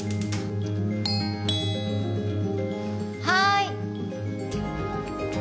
はい。